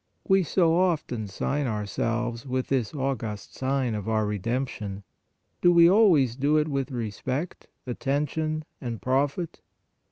We so often sign ourselves with this august sign of our Redemption ; do we always do it with respect, atten tion and profit?